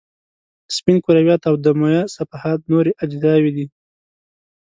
سپین کرویات او دمویه صفحات نورې اجزاوې دي.